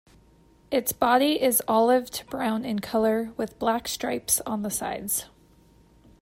Its body is olive to brown in color, with black stripes on the sides.